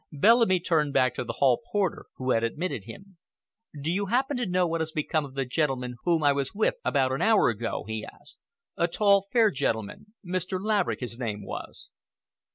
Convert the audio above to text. Bellamy turned back to the hall porter who had admitted him. "Do you happen to know what has become of the gentleman whom I was with about an hour ago?" he asked,—"a tall, fair gentleman—Mr. Laverick his name was?"